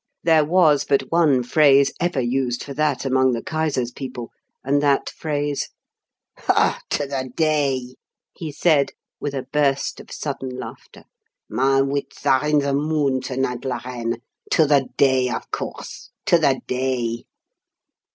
There was but one phrase ever used for that among the Kaiser's people, and that phrase "'To the day!'" he said, with a burst of sudden laughter. "My wits are in the moon to night, la reine. 'To the day,' of course 'To the day!'"